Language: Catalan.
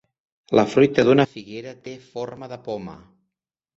La fruita d'una figuera té forma de poma.